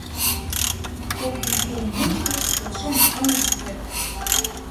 Коктын курым мучкышт келшен ынышт керт!!!